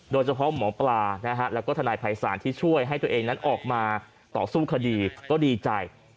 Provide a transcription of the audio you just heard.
หมอปลานะฮะแล้วก็ทนายภัยศาลที่ช่วยให้ตัวเองนั้นออกมาต่อสู้คดีก็ดีใจ